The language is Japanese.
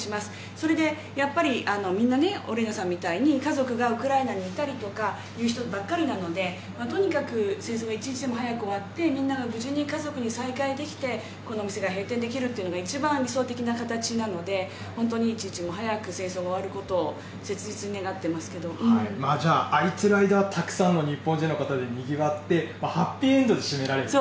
それでやっぱり、みんなオレーナさんみたいに家族がウクライナにいたりとかいう人ばっかりなので、とにかく戦争が一日でも早く終わって、みんなが無事に家族に再会できて、このお店が閉店できるというのがいちばん理想的な形なので、本当に一日も早く、戦争が終開いてる間はたくさんの日本人でにぎわって、ハッピーエンドで閉められると。